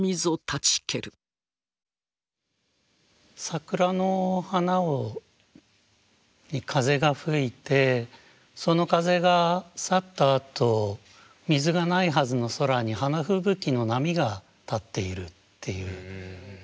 桜の花に風が吹いてその風が去ったあと水がないはずの空に花吹雪の波が立っているっていう歌だと思うんですけどね。